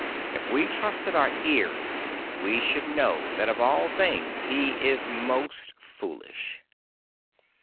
If we trusted our ears we should know that of all things he is most foolish."